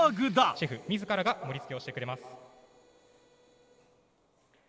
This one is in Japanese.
シェフ自らが盛りつけをしてくれます。